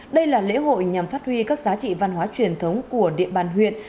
đây là lễ hội nhằm phát huy các giá trị văn hóa truyền thống của địa bàn huyện